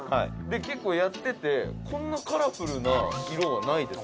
で結構やっててこんなカラフルな色はないです」